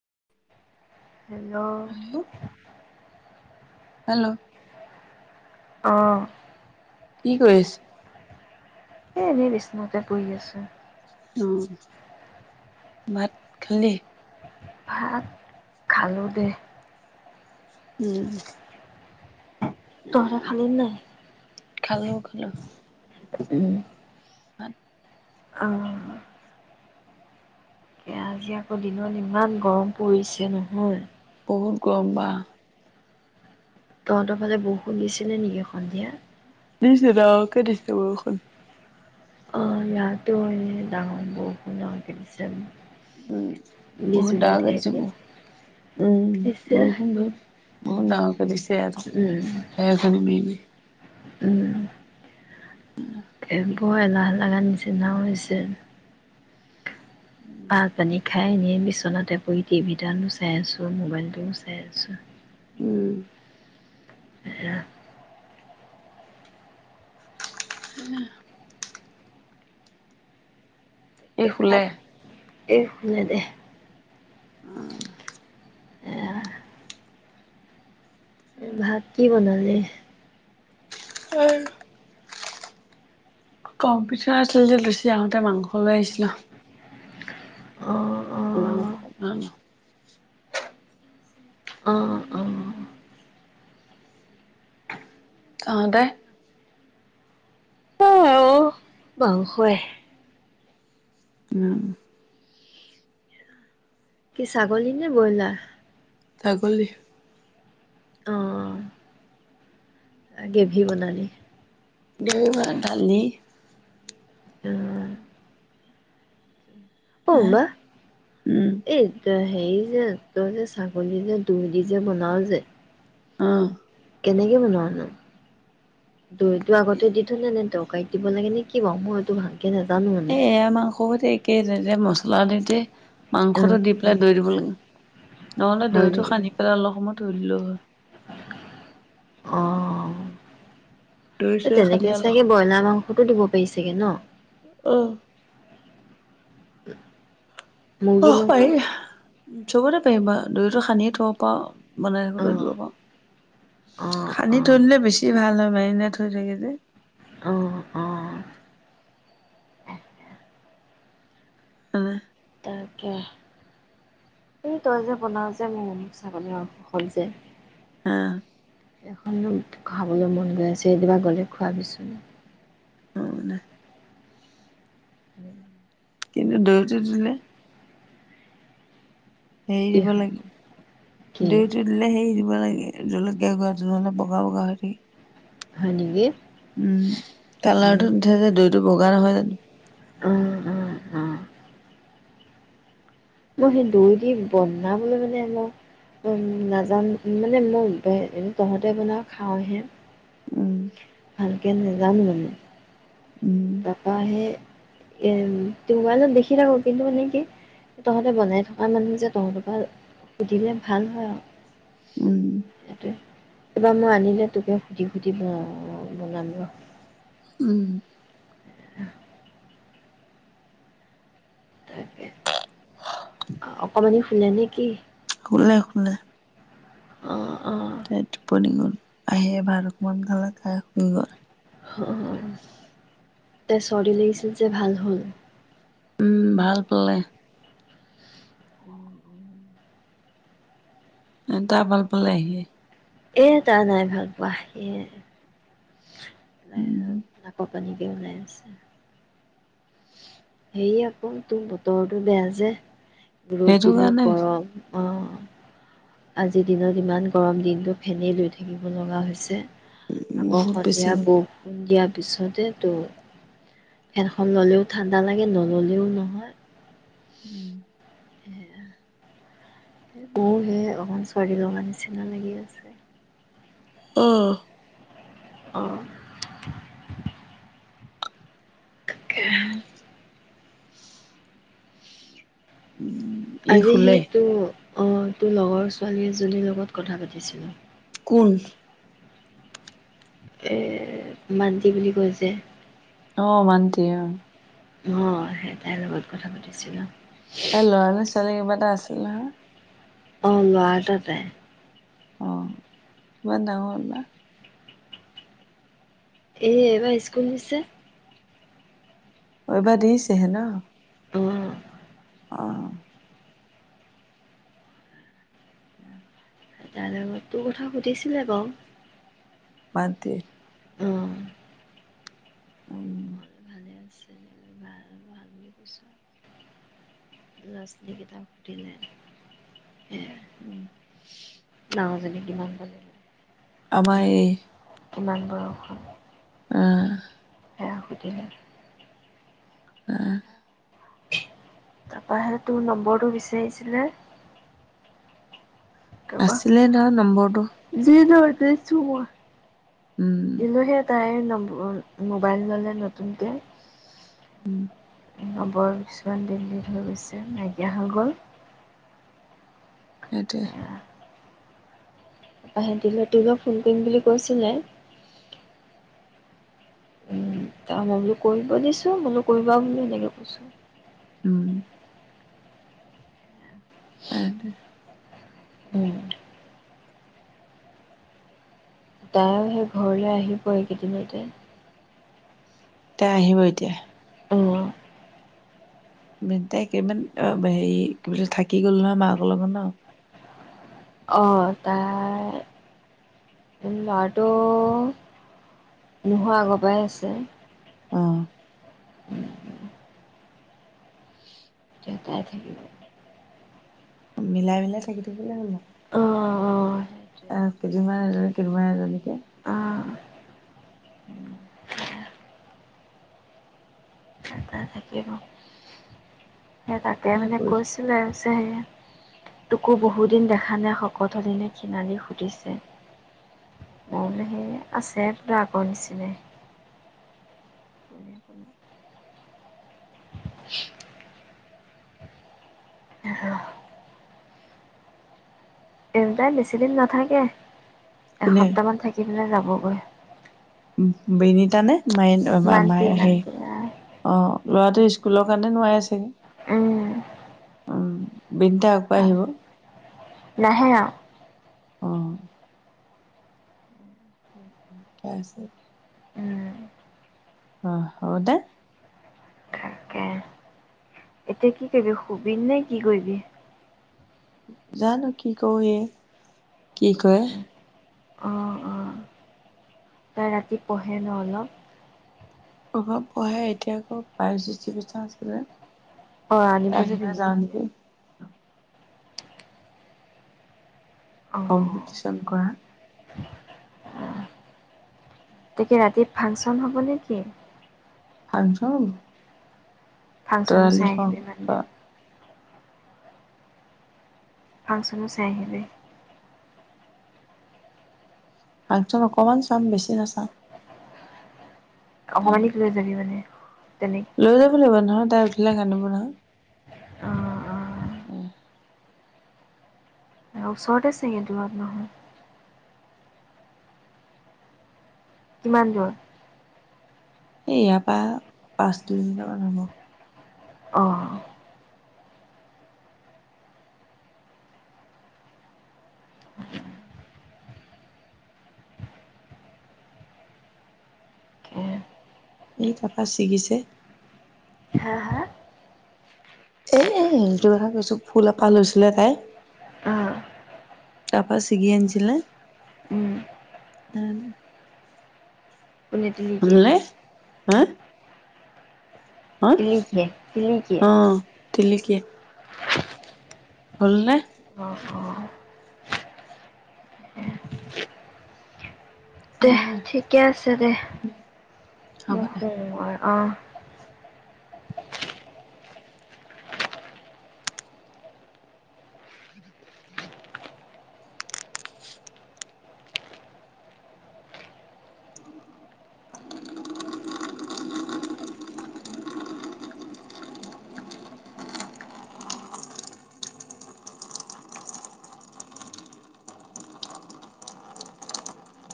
Hello! Hello অঁ। কি কৰিছ? এ' এনেই বিচনাতে বহি আছো। ম'ম ভাত খালি? ভাত-ত খালো দে। উম। তহে খালী নাই? খালো-খালো। ম-ম হয়। আজি আকৌ দিনত ইমান গৰম পৰিছে নহয়। বহুত গৰম বা তহঁতৰ ফালে বহ'খুন দিছিলে নেকি সন্ধিয়া? নিছে ৰ কৰিছে বখন [unintelligible] অ ইয়াতো হয় ডাঙৰ বহষু নছে [unintelligible] উম বহুত [unintelligible] ডাগ [unintelligible] আছে ব ঢেৰেকনি উম দিছে বহত বহুত ডাাগ [unintelligible] [inaudible] স উম একখ ন ববি [unintelligible] উওম। এেবোৰ এলাহ লগা নিচিনা হৈছে। ভাত পানী খাই এনে বিচনাতে পৰি টিভি তানো চাই আছো, মবাইল টোও চাই আছো। উম। এয়া। উম। এই হুলে। এই শুলে, দে। উম! এ ভাত কি বনাল লি? আৰু কম পিঠ আছিল যে, লুচি আহঁতে মাংস লৈ আহিছিলো। অঁ! ন ন [unintelligible] অ অ অঁ, দে। বাংশ এ' উম। কি ছাগলী নে ব্ৰইলাৰ? ছাগলী। অঁ গেভি বনালি? দেইলি ভাত দালি। উম', অহ', মা উম, এই [unintelligible] হেৰি যে তই যে ছাগলী যে দই দি যে বনাও যে। অহ', কেনেকে বনোৱানো? দইতো আগতে দি থলে নে তোক। কাই দিব লাগে নে কি বাৰু মই সতো ভাল এই -এইয়া মাংসতে একে যে-যে মছ। খোলাদিতি [unintelligible] অ মাংসটো দি পেলাই দৈ দিব লাগে। নহ'লে হয় দৈটো নেকি সানি পেলাই অলপ সময়ত। দলু হৈ অহ', দৈ তে', চৈ সানি তেনেকে অলপ চাগে ব্ৰইলাৰ মাংসটো দিব পাৰি ছাগে ন। অ', উম', অহ', পাৰি জবৰে। কিবা দৈতো সানি থব পাৰ। বনাই থাকোতেও [unintelligible] দিব অ', পাৰো অ', খানি থৈ অ', দিলে বেছি ভাল হয় মানে। নে থৈ-থৈ গিলি। অহ', - অহ', তাকে অহ', তাকে এই তই যে বনাও যে মোৰ ছাগলীৰ মংস হল যে। অহ', সেইখন খাবলৈ মন গৈ আছে সেইদিনা গ'লে খোৱাবিচুন। মানে উম', কিন্ত দৈটো দিলে। হেৰি কি দিব হয় লাগে কি দৈটো দিলে সেৰি দিব লাগে। এহ জলকীয়া গুড়া যুলত অলপ বগা- বগা হৈ থাকে। হয় নেকি? উম', উম, কালাৰটো উথে যে দৈটো বগা। লগ নহয় জানো। উম', - উম', - উম', মই সেই দৈ দি বন। বনাবলৈ মানে মই নাজানো মানে মই তহঁতে বনাওঁ খাওঁহে। উম', ভালকে নেযামি মানে। উম, তকাহে টউবাইলত দেখি থাকোঁ কিন্তু মানে কি তহঁতে বনাই থকা মানুহ যে তহঁতৰ পৰা সুধিলে ভাল হয় আৰু সেইটোৱে উম এইবাৰ মই আনিলে তোকে সুধি সুধি বনাম ৰ উম [inaudible] তাকে অকমানি নান কি [unintelligible] শ শুল অ সট প নি আহে এবাৰ অকমান খালে খাই শুই গল অ তে চৰি লাগিছিল যে ভাল হ'ল উম ভাল পালে উম উম এটা পল পাল আহ আহি এ তা নাই ভাল পোৱা সয়াই এ নাক পানীক ওলাই আছে সে আকৌ তোৰ বতৰটো বেয়া যে ৰত সেইটো দিলে কাৰণে গৰম অঁ আজিৰ দিনত ইমান গৰম দিনটো ফেনেই লৈ থাকিব লগা হৈছে আকৌ বহুত বেছি সন্ধিয়া গ'ল। বৌ সন্ধিয়া পিছতে তো এনখন ললেও ঠাণ্ডা লাগে নললেও নহয় উম এ স বহু সে অকমান ছোৱালী লগাৰ নিচিনা লাগি আছে আহ আহ উম [inaudible] ই আজ হে শুলে। ত অঁ তোৰ লগৰ ছোৱালী এজনীৰ লগত কথা পাতিছিলোঁ কুল এ মান্তি বুলি কৈছে আহ মান দয়াা আহ সেইটাই লগত কথা পাতিছিলো এ ল'ৰানে ছোৱালী কিবা এটা আছে। [unintelligible] অ লোৱা এ ততে অ', কিবা ডাঙৰল না এ এইবাৰ স্কুল নিছে। বাৰ দিছেহে ন? অঁ অ'। তাৰ লগত তোৰ কথা সুধিছিলে বাৰু। বাদ দি। অ'। উম। ভাল-ভাল বুলি কৈছো ল'ৰা ছালী কিতাপ সুধিলে এ উম। ডাঙৰজনী কিমান পালে? আমায়ে ইমানবাৰ আহ। সেয়া সুধিলে। আহ। তাৰপাহে তোৰ নম্বৰটো বিচাৰিছিলে। তাৰপা আছিলে ন নম্বৰটো। [unintelligible] উম কিন্তু সেইটাাইন মোবাইল ল'লে নতুনকৈ। উম। নৱৰ কিছুমান দিল্লীত হৈ গৈছে নাইকিয়াা গল। সেইটোয়ে। আহে তিল-তিলক ফোন কৰিম বুলি কৈছিলে। ত মই বোলো কৰিব দিছো, মোলো কৰিবা বুলি এনেকে কৈছো। উম। [unintelligible] উম। তাইো সেই ঘৰলৈ আহিব এইকেইদিনতে। তাই আহিব এতিয়া? উম। তাই একেইমান হেৰি কি বুলি কয় থাকি গল নহয় মাকৰ লগত ন। অ', তাই ল'ৰাটো নোহোৱা আগৰ পৰাই আছে। অ'। উম, উম। যতা থাকিব। মিলাই-মিলাই থাকি থাকিলে হ'ল আৰু। অ', অ', এ কেইদিনমান এজনী কেইমান এজনীকে অ' তাই থাকিব সেই তাকে মানে কৈছিলেছে যে সেই তোকো বহু দিন দেখা নাই শকত হলনে কিিনালি সুধিছে মোৰলৈ সে আছে তৰা আগৰ নিচিনা এইতাই বেছিদিন নাথাকে কোনে এসপ্তাহ মান থাকিে যাব ই বেনীতা নে মাইণ্ড মান্তি মমাৰ সেই মান্তি অঁ ল'ৰাটো স্কুলৰ কাৰণে নোৱাৰাই আছেগৈ উম উম বিনিটা আকৌ আহিব নাহেৰা অ ক আছে উম অ হ' দে তাকে এতিয়া কি কৰিবি শুবিিন নে কি কৰিবি জানো কি কওঁ এই কি কয় অ অ ৰাতি পঢ়ে ন অলপ অভাৱ পঢ়াই এতিয়া আকৌ পাইজি চিকিচা আছিলে অ আনিব যাবি নেকি এতিয়া অ কম্পিটিন [unintelligible] জনং কৰা তাকে ৰাতি ফাংচন হ'ব নে কিি ফাংচন ফাংচনো তৰালি চাই আহিবি মানে ফাংচনো চাই আহে ফাংচন অকমান চাম বেছি নাচাম অকমানিক লৈ যাবি মানে তেনে লৈ যাব লাগিব নহয় তাই উঠিলে কাদিব নহয় অ আহম চৰতে চঙে দু আ নহ [unintelligible] কিমান দূৰ স ইয়াৰ পৰা পাঁচ দু মট মান হব আহ এই তাৰপা ছিগিছে হা হা এ সেইটো কথা কৈছো ফুল এপাহ লৈছিলে তাই অ তাৰপা ছিগি আনিছিলে উম পুনে দিলকে হ'লনে হা তুিছে তুমছে [unintelligible] লকে [unintelligible] হ'লনে। অ। দে ঠিকে আছে, দে হ'ব মৌ দে শু আৰু। অ [unintelligible]